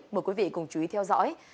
mời quý vị cùng chú ý theo dõi